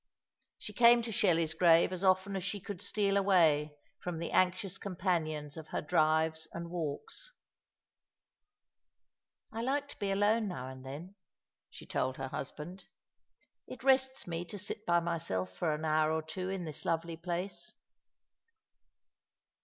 She came to Shelley's grave as often as she conld steal away from the anxious companions of her drives and walks. " I like to be alone now and then," she told her husband. " It rests me to sit by myself for an hour or two in this lovely place."